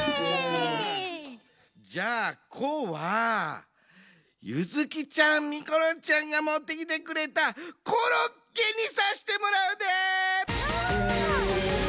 じゃあ「こ」はゆづきちゃん・みころちゃんがもってきてくれたコロッケにさしてもらうで！